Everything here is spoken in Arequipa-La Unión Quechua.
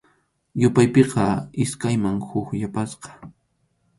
Yupaypiqa iskayman huk yapasqa.